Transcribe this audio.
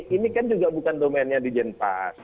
ini kan juga bukan domennya di jenpas